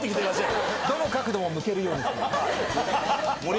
どの角度も向けるように。